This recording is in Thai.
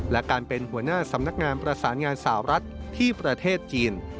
และการเป็นหัวหน้าสำนักงานประสานงานสาวรัฐที่ประเทศจีน